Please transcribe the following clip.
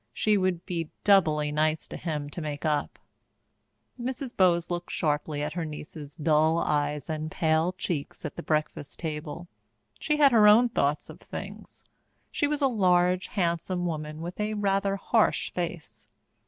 She would be doubly nice to him to make up. Mrs. Bowes looked sharply at her niece's dull eyes and pale cheeks at the breakfast table. She had her own thoughts of things. She was a large, handsome woman with a rather harsh face.